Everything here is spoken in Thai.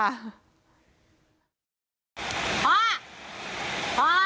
พ่อพ่อพ่อพ่อน้ำท่วมบ้าน